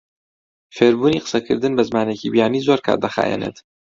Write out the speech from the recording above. فێربوونی قسەکردن بە زمانێکی بیانی زۆر کات دەخایەنێت.